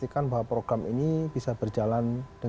iya pengundang pertama dignified perusahaan kalian